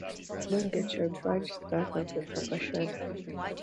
Don't get your badge stuck in the paper shredder.